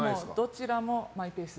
どちらもマイペース。